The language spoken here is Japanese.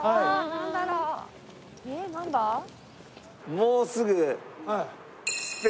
もうすぐ。